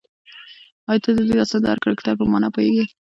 ایا ته د دې داستان د هر کرکټر په مانا پوهېږې؟